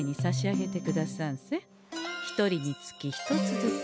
一人につき１つずつ。